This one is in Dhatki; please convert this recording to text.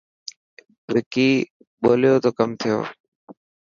وڪي ٻولو ته ڪم ٿيو.